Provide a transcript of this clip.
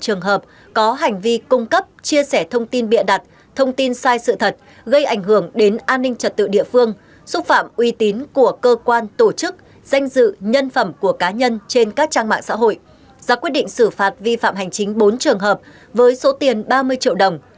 hai mươi trường hợp có hành vi cung cấp chia sẻ thông tin bịa đặt thông tin sai sự thật gây ảnh hưởng đến an ninh trật tự địa phương xúc phạm uy tín của cơ quan tổ chức danh dự nhân phẩm của cá nhân trên các trang mạng xã hội ra quyết định xử phạt vi phạm hành chính bốn trường hợp với số tiền ba mươi triệu đồng